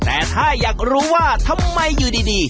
แต่ถ้าอยากรู้ว่าทำไมอยู่ดี